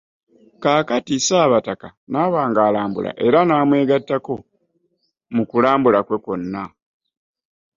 Kaakati, Ssaabataka n’aba ng’alambula, era namwegattako mu kulambula kwe kwonna.